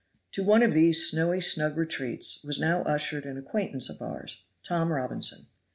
To one of these snowy snug retreats was now ushered an acquaintance of ours, Tom Robinson.